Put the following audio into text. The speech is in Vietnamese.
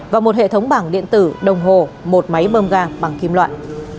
và một hệ thống bảng điện tử đồng hồ một máy bơm ga bằng kim loại